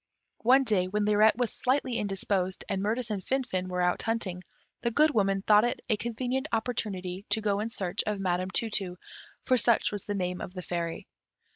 One day, when Lirette was slightly indisposed, and Mirtis and Finfin were out hunting, the Good Woman thought it a convenient opportunity to go in search of Madam Tu tu, for such was the name of the fairy.